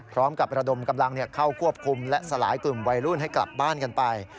ระดมกำลังเข้าควบคุมและสลายกลุ่มวัยรุ่นให้กลับบ้านกันไป